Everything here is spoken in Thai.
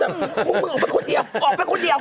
แต่มึงออกไปคนเดียวออกไปคนเดียว